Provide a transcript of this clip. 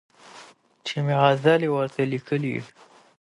چي مي غزلي ورته لیکلې